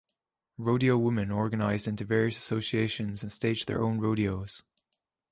Rodeo women organized into various associations and staged their own rodeos.